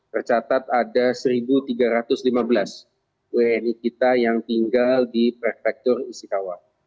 tercatat ada satu tiga ratus lima belas wni kita yang tinggal di prefektur istikawal